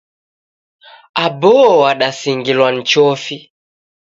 Aboo wadasingilwa ni chofi.